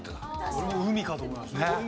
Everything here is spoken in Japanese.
俺も海かと思いました。